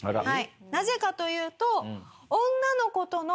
なぜかというと。